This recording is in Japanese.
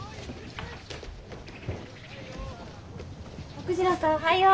徳次郎さんおはよう。